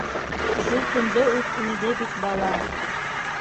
Шул төндө үк үлде бит бала!